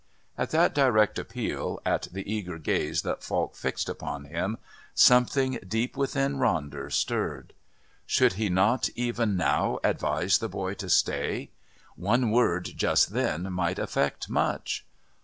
At that direct appeal, at the eager gaze that Falk fixed upon him, something deep within Ronder stirred. Should he not even now advise the boy to stay? One word just then might effect much.